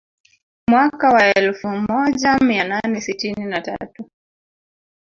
Mwaka wa elfu moja mia nane sitini na tatu